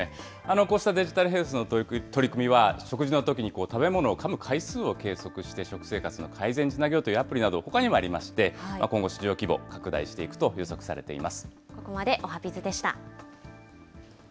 こうしたデジタルヘルスの取り組みは、食事のときに食べ物をかむ回数を計測して食生活の改善につなげようというアプリなど、ほかにもありまして、今後、市場規模、ここまでおはＢｉｚでした。